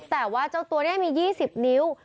แต่ว่าเจ้าตัวนี้มี๒๐นิ้ว